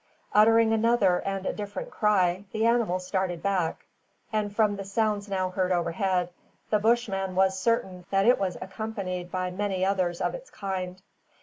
Uttering another and a different cry, the animal started back; and from the sounds now heard overhead, the Bushman was certain that it was accompanied by many others of its kind.